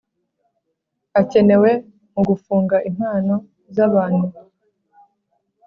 Akenewe mu gufunga impano z’abanu